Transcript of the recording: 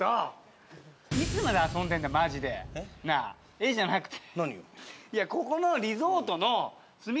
「えっ？」じゃなくて。